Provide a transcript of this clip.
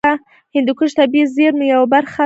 هندوکش د طبیعي زیرمو یوه برخه ده.